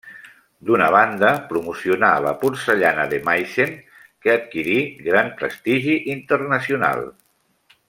D'una banda promocionar la porcellana de Meissen que adquirí gran prestigi internacional.